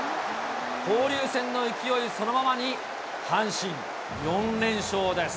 交流戦の勢いそのままに、阪神、４連勝です。